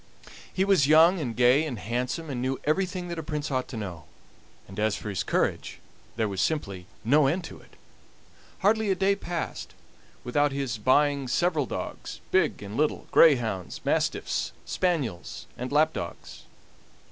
He was young, and gay, and handsome, and knew everything that a prince ought to know; and as for his courage, there was simply no end to it. Hardly a day passed without his buying several dogs big and little, greyhounds, mastiffs, spaniels, and lapdogs.